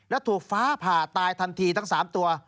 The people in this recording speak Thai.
และถูกฟ้าผ่าตายทันทีทั้ง๓ตัว